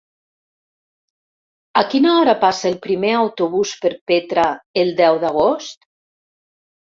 A quina hora passa el primer autobús per Petra el deu d'agost?